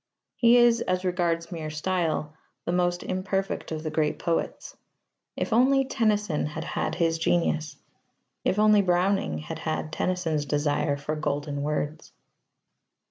He is, as regards mere style, the most imperfect of the great poets. If only Tennyson had had his genius! If only Browning had had Tennyson's desire for golden words!